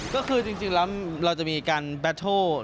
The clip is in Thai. ก็คือจริงแล้วเราจะมีการแบตโทร